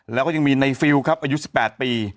แล้วก็ยังมีในฟิลครับอายุ๑๘ปี